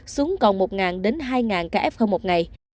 xuống còn một đến hai ca f một ngày